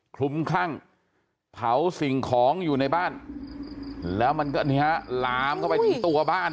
คลุมคลั่งเผาสิ่งของอยู่ในบ้านแล้วมันก็ลามเข้าไปถึงตัวบ้าน